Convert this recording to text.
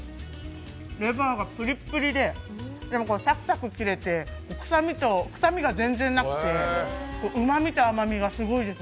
レバーがぷりっぷりででも、サクサク切れて、臭みが全然なくて、うまみと甘みがすごいです。